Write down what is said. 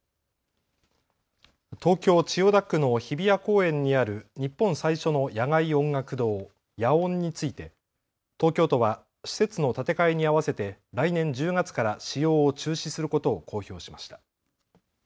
東京千代田区の日比谷公園にある日本最初の野外音楽堂、野音について東京都は施設の建て替えに合わせて来年１０月から使用を中止することを公表しました。